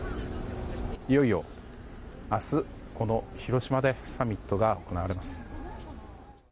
いよいよ明日、この広島でサミットが行われます。